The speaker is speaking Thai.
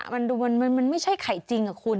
มันไม่ใช่ไข่จริงอะคุณ